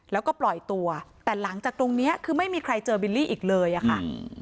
แล้วก็ปล่อยตัวแต่หลังจากตรงนี้คือไม่มีใครเจอบิลลี่อีกเลยอะค่ะ